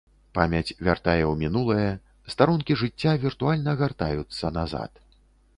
Памяць вяртае ў мінулае, старонкі жыцця віртуальна гартаюцца назад.